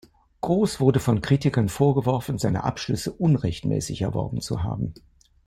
Gross wurde von Kritikern vorgeworfen, seine Abschlüsse unrechtmäßig erworben zu haben.